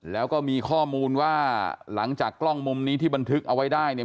แล้วก็มีข้อมูลว่าหลังจากกล้องมุมนี้ที่บันทึกเอาไว้ได้เนี่ย